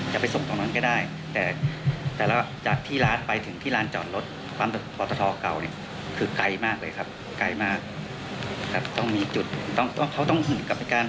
จะไปซ่มตรงนั้นก็ได้แต่แล้วจากที่ร้านไปถึงที่ร้านจอดรถความปลอดธทรเก่าเนี่ยคือใกล้มากเลยครับใกล้มาก